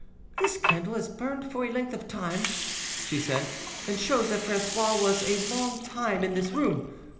"This candle has burned for a length of time," she said, "and shows that Francois was a long time in this room.